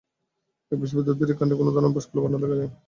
একবীজপত্রী উদ্ভিদের কাণ্ডে কোন ধরনের ভাস্কুলার বান্ডল দেখা যায়?